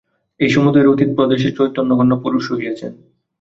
এই সমুদয়ের অতীত প্রদেশে চৈতন্যঘন পুরুষ রহিয়াছেন।